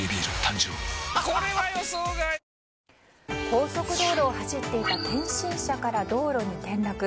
高速道路を走っていた検診車から道路に転落。